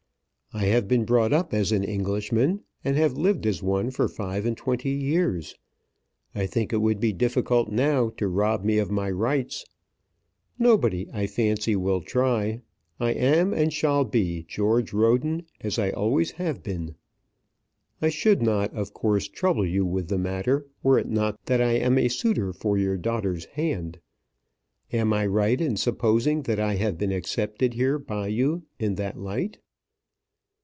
"I have been brought up as an Englishman, and have lived as one for five and twenty years. I think it would be difficult now to rob me of my rights. Nobody, I fancy, will try. I am, and shall be, George Roden, as I always have been. I should not, of course, trouble you with the matter were it not that I am a suitor for your daughter's hand. Am I right in supposing that I have been accepted here by you in that light?"